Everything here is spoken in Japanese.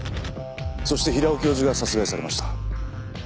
そして平尾教授が殺害されました。